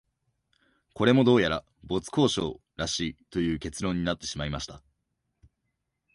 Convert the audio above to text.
これも、どうやら没交渉らしいという結論になってしまいました